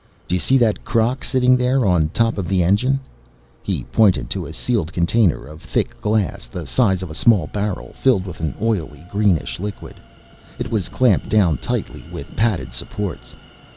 "Do you see that crock sitting there on top of the engine," he pointed to a sealed container of thick glass the size of a small barrel, filled with an oily greenish liquid; it was clamped down tightly with padded supports.